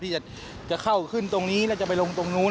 ที่จะเข้าขึ้นตรงนี้แล้วจะไปลงตรงนู้น